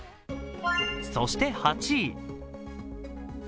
そして８位。